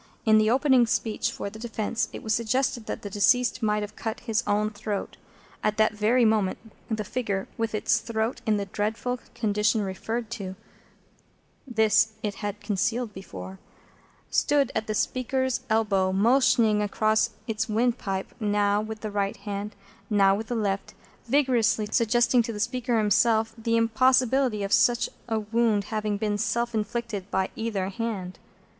In the opening speech for the defence, it was suggested that the deceased might have cut his own throat. At that very moment, the figure, with its throat in the dreadful condition referred to (this it had concealed before), stood at the speaker's elbow, motioning across and across its windpipe, now with the right hand, now with the left, vigorously suggesting to the speaker himself the impossibility of such a wound having been self inflicted by either hand.